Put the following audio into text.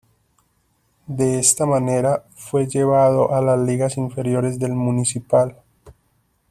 De esta manera, fue llevado a las ligas inferiores de Municipal.